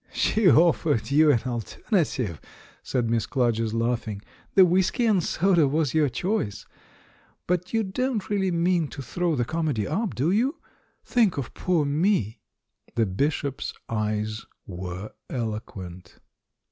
"She offered you an alternative," said Miss Clarges, laughing; "the whisky and soda was your choice. But you don't really mean to throw the comedy up, do you? Think of poor me!" The Bishop's eyes were eloquent.